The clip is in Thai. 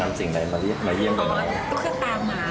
แล้ววันนี้นำอะไรมาเยี่ยมน้องนำสิ่งใดมาเยี่ยมกันไหม